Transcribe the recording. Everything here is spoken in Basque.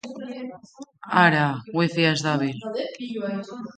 Hara, wifia ez dabil!